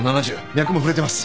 脈も触れてます。